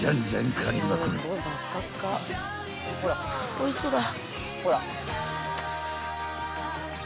おいしそうだ。